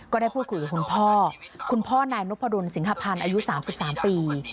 ก็ได้พูดคุยกับคุณพ่อคุณพ่อนายนพดุลสิงหพันธ์อายุ๓๓ปี